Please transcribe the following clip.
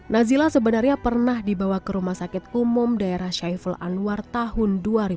nazila sebenarnya pernah dibawa ke rumah sakit umum daerah syaiful anwar tahun dua ribu dua